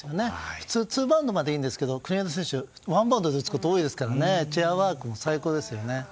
普通はツーバウンドまでいいんですけど国枝選手はワンバウンドで打つことが多くてチェアワークも最高ですよね。